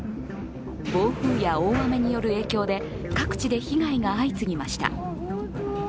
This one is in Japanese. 暴風や大雨による影響で各地で被害が相次ぎました。